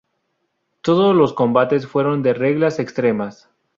Todos los combates fueron de Reglas Extremas.